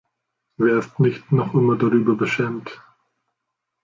Wer ist nicht noch immer darüber beschämt?